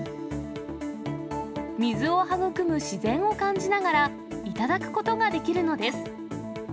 水を育む自然を感じながら頂くことができるのです。